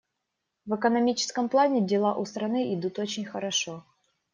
В экономическом плане дела у страны идут очень хорошо.